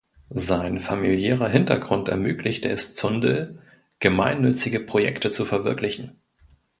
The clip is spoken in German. Sein familiärer Hintergrund ermöglichte es Zundel, gemeinnützige Projekte zu verwirklichen.